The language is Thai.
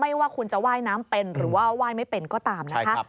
ว่าคุณจะว่ายน้ำเป็นหรือว่าไหว้ไม่เป็นก็ตามนะคะ